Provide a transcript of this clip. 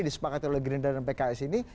di sepakatelegerian dan pks ini